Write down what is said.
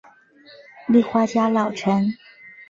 立花家老臣。